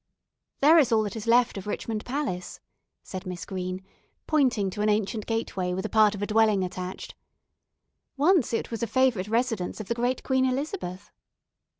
"There is all that is left of Richmond Palace," said Miss Green, pointing to an ancient gateway with a part of a dwelling attached. "Once it was a favourite residence of the great Queen Elizabeth.